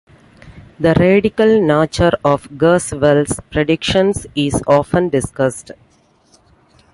The radical nature of Kurzweil's predictions is often discussed.